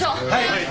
はい。